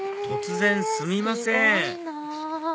突然すみません